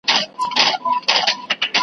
ستا سي کلی شپو خوړلی .